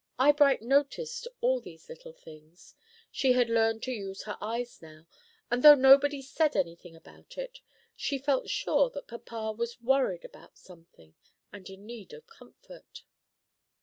Eyebright noticed all these little things, she had learned to use her eyes now, and though nobody said any thing about it, she felt sure that papa was worried about something, and in need of comfort.